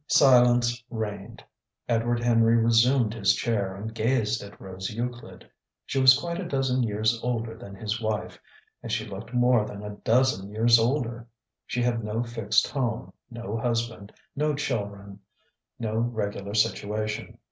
Silence reigned. Edward Henry resumed his chair and gazed at Rose Euclid. She was quite a dozen years older than his wife, and she looked more than a dozen years older. She had no fixed home, no husband, no children, no regular situation.